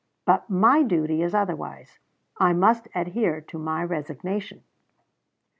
But my duty is otherwise; I must adhere to my resignation."